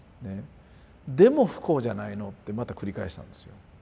「でも不幸じゃないの」ってまた繰り返したんですよ。